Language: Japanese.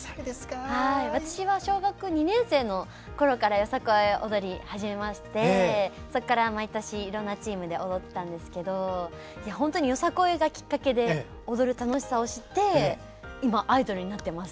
私は小学２年生の頃からよさこい踊り始めましてそっから毎年いろんなチームで踊ってたんですけど本当によさこいがきっかけで踊る楽しさを知って今アイドルになってます。